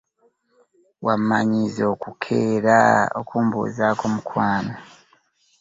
Wammanyiiza okukeera okumbuuzaako mukwano.